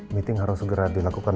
meeting harus segera dilakukan